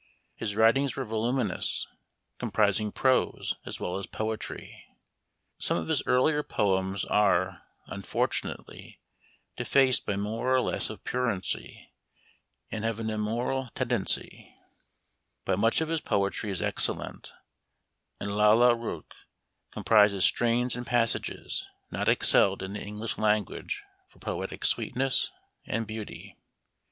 His writings were voluminous, com prising prose as well as poetry. Some of his earlier poems are, unfortunately, defaced by more or less of pruriency, and have an immoral tendency ; but much of his poetry is excel lent, and Lalla Rookh comprises strains and passages not ex celled in the English language for poetic sweetness and beauty.